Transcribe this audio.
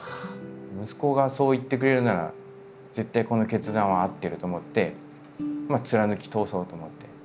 息子がそう言ってくれるなら絶対この決断は合ってると思ってまあ貫き通そうと思って。